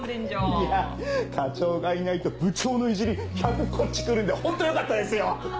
いや課長がいないと部長のイジリ１００こっち来るんでホントよかったですよ！